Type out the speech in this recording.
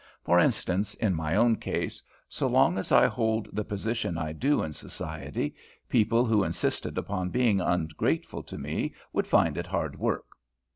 For instance, in my own case, so long as I hold the position I do in society, people who insisted upon being ungrateful to me would find it hard work.